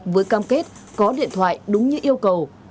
với cam kết có điện thoại đúng như yêu cầu